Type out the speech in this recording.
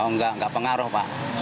oh enggak enggak pengaruh pak